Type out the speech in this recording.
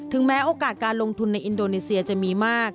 แม้โอกาสการลงทุนในอินโดนีเซียจะมีมาก